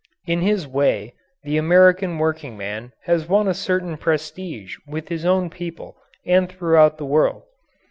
In his way the American workingman has won a certain prestige with his own people and throughout the world.